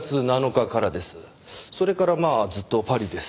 それからまあずっとパリです。